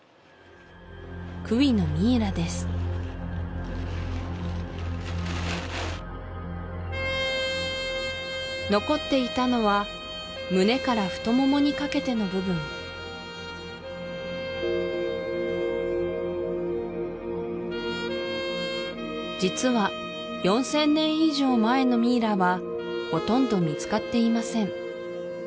クウィのミイラです残っていたのは胸から太ももにかけての部分実は４０００年以上前のミイラはほとんど見つかっていません